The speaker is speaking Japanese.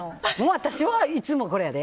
私はいつもこれやで。